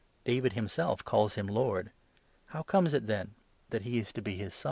'" David himself calls him ' lord,' how comes it, then, that he 37 is to be his son